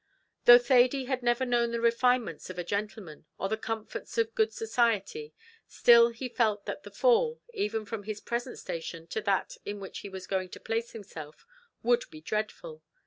Though Thady had never known the refinements of a gentleman, or the comforts of good society, still he felt that the fall, even from his present station to that in which he was going to place himself, would be dreadful.